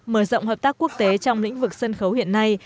mở rộng hợp tác quốc tế trong lĩnh vực sân khấu hiện nay